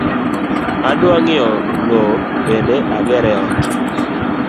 Adwa ng’iewo lowo bende agere ot